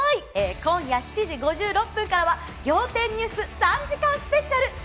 今夜７時５６分からは『仰天ニュース』３時間スペシャル！